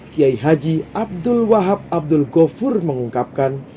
kiai haji abdul wahab abdul ghafur mengungkapkan